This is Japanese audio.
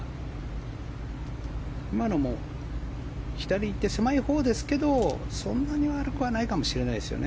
今のも左に行って狭いほうですけどそんなに悪くはないかもしれないですよね。